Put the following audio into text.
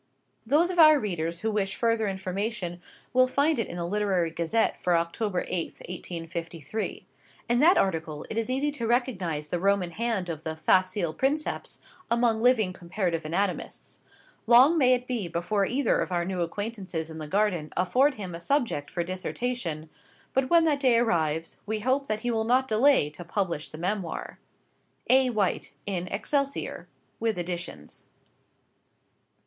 Those of our readers who wish further information will find it in the Literary Gazette for October 8, 1853. In that article it is easy to recognise the Roman hand of the facile princeps among living comparative anatomists. Long may it be before either of our new acquaintances in the Garden afford him a subject for dissection; but when that day arrives, we hope that he will not delay to publish the memoir. _A. White, in "Excelsior" (with additions).